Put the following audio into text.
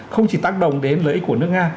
không chỉ tác động đến lợi ích của nước nga